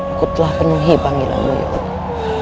aku telah penuhi panggilanmu ya allah